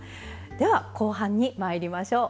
では後半にまいりましょう。